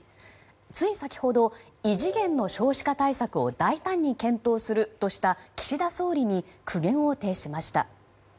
つい先ほど異次元の少子化対策を大胆に検討するとした岸田総理に苦言を呈しました。